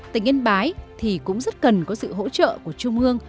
tỉnh yên bái thì cũng rất cần có sự hỗ trợ của trung ương